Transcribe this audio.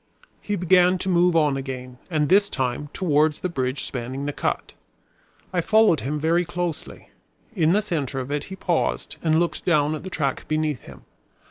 He began to move on again and this time towards the bridge spanning the cut. I followed him very closely. In the center of it he paused and looked down at the track beneath him.